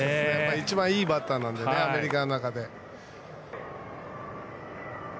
一番いいバッターなんでね、アメリカの中で。